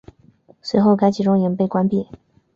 随后该集中营被关闭。